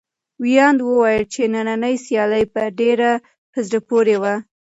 ویاند وویل چې نننۍ سیالي به ډېره په زړه پورې وي.